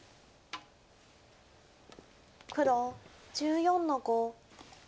黒１４の五。